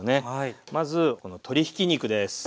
まずこの鶏ひき肉です。